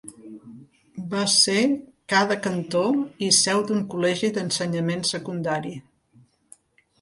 Va ser ca de cantó i seu d'un col·legi d'ensenyament secundari.